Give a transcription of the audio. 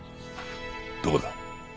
どこだ？